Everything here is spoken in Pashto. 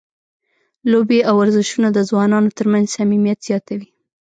لوبې او ورزشونه د ځوانانو ترمنځ صمیمیت زیاتوي.